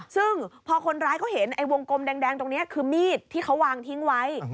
ซึ่งพอคนร้ายเขาเห็นไอ้วงกลมแดงตรงนี้คือมีดที่เขาวางทิ้งไว้